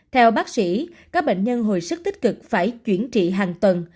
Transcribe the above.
theo bác sĩ các bệnh nhân hồi sức tích cực phải chuyển trị hàng tuần